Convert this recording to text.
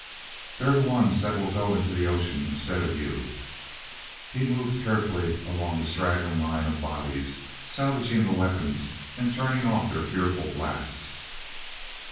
They're the ones that will go into the ocean instead of you." He moved carefully along the straggling line of bodies, salvaging the weapons and turning off their fearful blasts.